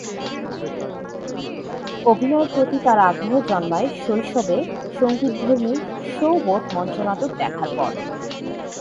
অভিনয়ের প্রতি তার আগ্রহ জন্মায় শৈশবে সঙ্গীতধর্মী "শো বোট" মঞ্চনাটক দেখার পর।